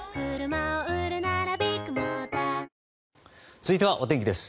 続いてはお天気です。